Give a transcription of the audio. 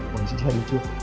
bạn xin xe đi chưa